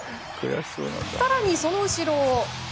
更に、その後ろ。